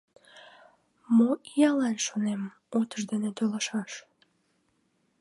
Мо иялан, шонем, утыждене толашаш?